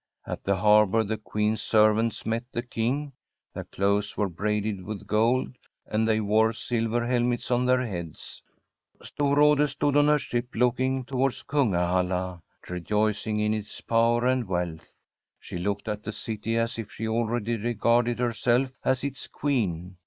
At the harbour the Queen's servants met the King. Their clothes were braided with gold, and they wore silver helmets on their heads. Storrade stood on her ship looking towards Kungahalla, rejoicing in its power and wealth. She looked at the city as if she already regarded herself as its Queen.